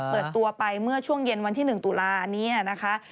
เปิดตัวไปเมื่อช่วงเย็นวันที่๑ตุลานี้นะคะ